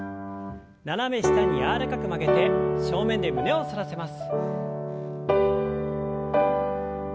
斜め下に柔らかく曲げて正面で胸を反らせます。